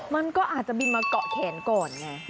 มันก็อาจจะบินมาเกาะแขนก่อนไง